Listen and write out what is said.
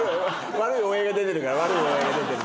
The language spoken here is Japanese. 悪い大江が出てるから悪い大江が出てる。